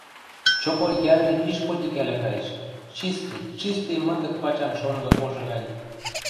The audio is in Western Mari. — Чопой Кӓври пиш потикӓлӓ каеш: чистый... чистый мытык пачан шонгы ожы гань...